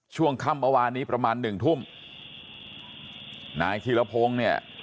ช่วงค่ำเมื่อวานนี้ประมาณหนึ่งทุ่มนายธีรพงศ์เนี่ย